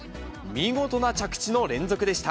見事な着地の連続でした。